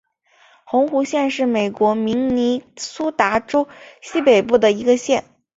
红湖县是美国明尼苏达州西北部的一个县。